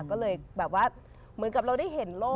ก็เลยแบบว่าเหมือนกับเราได้เห็นโลก